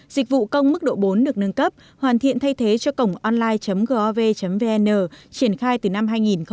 dịch vụ công mức độ bốn được nâng cấp hoàn thiện thay thế cho cổng online gov vn triển khai từ năm hai nghìn một mươi sáu